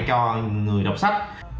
cho người đọc sách